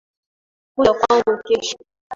Kuja kwangu kesho